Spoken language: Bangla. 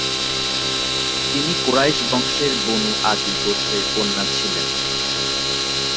তিনি কুরাইশ বংশের বনু আদি গোত্রের কন্যা ছিলেন।